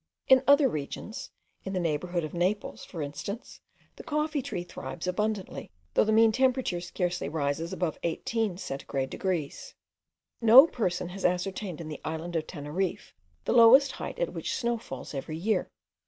In other regions, in the neighbourhood of Naples, for instance, the coffee tree thrives abundantly, though the mean temperature scarcely rises above 18 centigrade degrees. No person has ascertained in the island of Teneriffe, the lowest height at which snow falls every year.